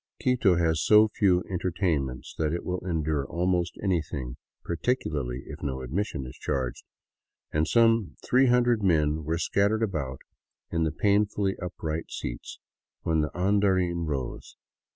Quito has so few entertainments that it will endure almost anything particularly if no admission is charged; and some three hundred men were scattered about in the painfully upright seats, when the " an darin " rose.